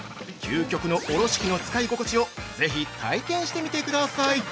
「究極のおろし器」の使い心地を、ぜひ体験してみてください！